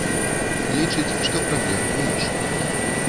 Лічыць, што праблема ў іншым.